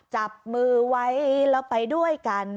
จับมือไว้แล้วไปด้วยกัน